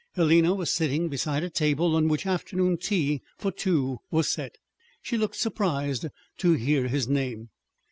Helena was sitting beside a table on which afternoon tea for two was set. She looked surprised to hear his name.